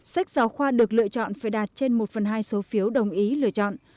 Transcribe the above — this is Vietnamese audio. sách giáo khoa được lựa chọn phải đạt trên một phần hai số phiếu đồng ý lựa chọn